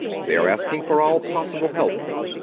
They are asking for all possible help.